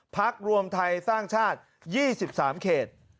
พักรวมไทยสร้างชาติ๒๓เขต